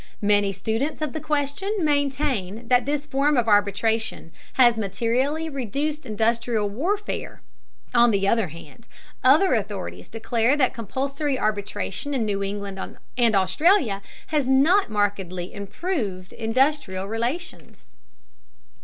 Many students of the question maintain that this form of arbitration has materially reduced industrial warfare; on the other hand, other authorities declare that compulsory arbitration in New Zealand and Australia has not markedly improved industrial relations.